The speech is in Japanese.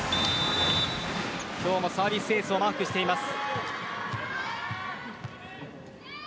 今日もサービスエースをマークしています。